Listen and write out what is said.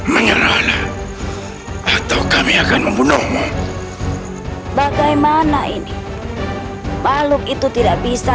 menyerah atau kami akan membunuhmu bagaimana ini makhluk itu tidak bisa